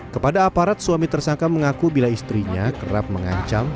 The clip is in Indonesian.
kepada aparat suami tersangka mengaku bila istrinya kerap mengancam